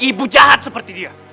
ibu jahat seperti dia